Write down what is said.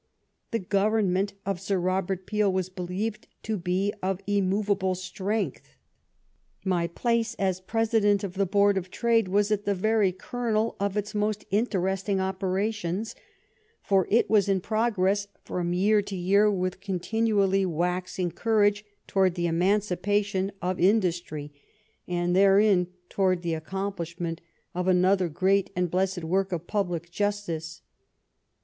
The Gov ernment of Sir Robert Peel was believed to be of immovable strength. My place, as President of the Board of Trade, was at the very kernel of its most interesting operations, for it was in prog ress from year to year, with continually wax ing courage, towards the emancipation of indus GLADSTONE'S MARRIAGE 93 try, and therein towards the accomplishment of another great and blessed work of public justice.